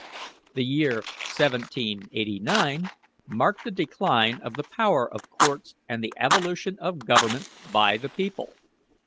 The year 1789 marked the decline of the power of courts and the evolution of government by the people.